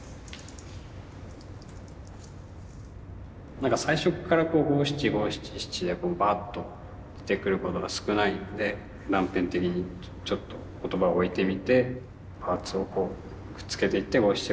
なんか最初から五七五七七でバーッと出てくることが少ないので断片的にちょっと言葉を置いてみてパーツをくっつけていって五七五七七にしようとしてるっていう。